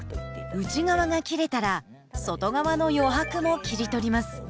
内側が切れたら外側の余白も切り取ります。